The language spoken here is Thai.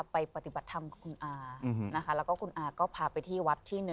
ปฏิบัติธรรมกับคุณอานะคะแล้วก็คุณอาก็พาไปที่วัดที่๑